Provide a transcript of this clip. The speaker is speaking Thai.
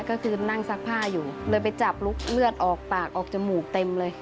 ก็คือนั่งซักผ้าอยู่เลยไปจับลุกเลือดออกปากออกจมูกเต็มเลย